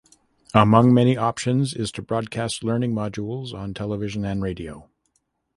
Among many options is to broadcast learning modules on television and radio.